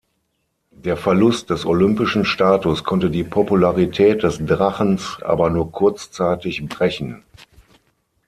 Der Verlust des olympischen Status konnte die Popularität des Drachens aber nur kurzzeitig brechen.